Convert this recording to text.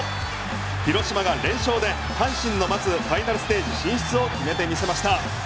広島が連勝でファイナルステージ進出を決めてみせました。